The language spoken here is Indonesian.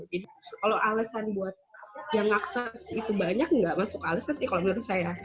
jadi kalau alasan buat yang akses itu banyak nggak masuk alasan sih kalau menurut saya